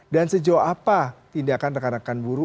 dan sejauh apa tindakan rekan rekan buruh